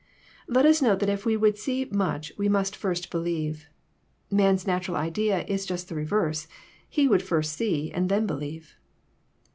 Let us note that if we would see much we must first believe. Man's natural idea is Just the reverse : he would first see, and then believe.